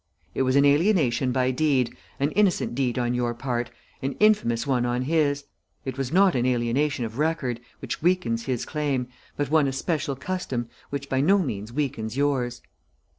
It was an alienation by deed, an innocent deed on your part, an infamous one on his. It was not an alienation of record, which weakens his claim, but one of special custom, which by no means weakens yours.